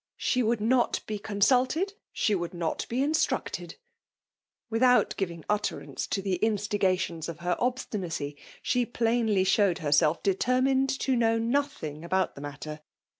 She would not be consulted, — she would not be in structed :— without giving utterance to the in stigations of her obstinacy, she plainly showed herself determined to know nodiing about the matter.